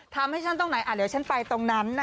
ทำให้ฉันตรงไหนเดี๋ยวฉันไปตรงนั้น